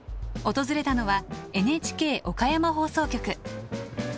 訪れたのはＮＨＫ岡山放送局。